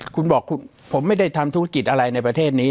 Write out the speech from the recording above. คุณบอกผมไม่ได้ทำธุรกิจอะไรในประเทศนี้